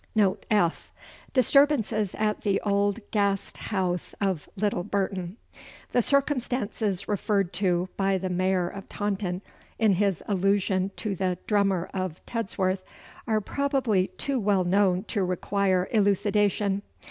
Note F. Disturbances at the old Gast House of Little Burton. The circumstances referred to by the Mayor of Taunton in his allusion to the Drummer of Tedsworth are probably too well known to require elucidation.